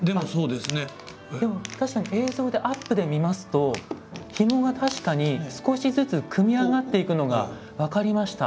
確かに映像でアップで見ますとひもが確かに少しずつ組み上がっていくのが分かりました。